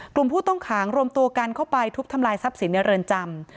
ผู้ต้องขังรวมตัวกันเข้าไปทุบทำลายทรัพย์สินในเรือนจำ